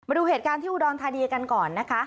ดูเหตุการณ์ที่อุดรธานีกันก่อนนะคะ